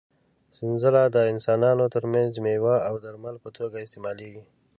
سنځله د انسانانو تر منځ د مېوې او درمل په توګه استعمالېږي.